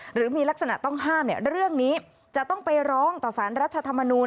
หรือมีลักษณะต้องห้ามเรื่องนี้จะต้องไปร้องต่อสารรัฐธรรมนูล